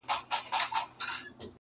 ننګول مي زیارتونه هغه نه یم -